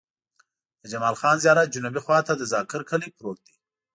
د جمال خان زيارت جنوبي خوا ته د ذاکر کلی پروت دی.